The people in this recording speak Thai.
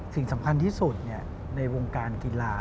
สิ่งสำคัญที่สุดในวงการกีฬา